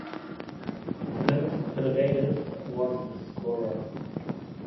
Linas Pilibaitis was the scorer.